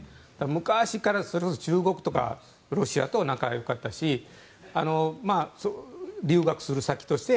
昔からそれこそ中国とかロシアと仲よかったし留学する先として